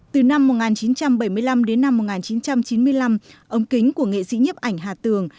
từ năm một nghìn chín trăm bảy mươi năm đến năm một nghìn chín trăm chín mươi năm ống kính của nghệ sĩ nhiếp ảnh hà tường